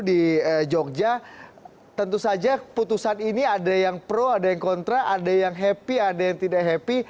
di jogja tentu saja putusan ini ada yang pro ada yang kontra ada yang happy ada yang tidak happy